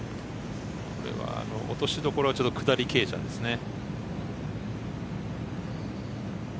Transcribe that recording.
これは落としどころは下り傾斜ですね。